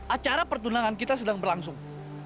acara pertunangan kita sedang berlangsung